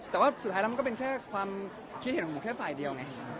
แต่ว่าสุดท้ายแล้วมันก็เป็นแค่ความคิดเห็นของผมแค่ฝ่ายเดียวไง